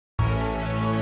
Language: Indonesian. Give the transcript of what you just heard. aku pasti kasih tau ibu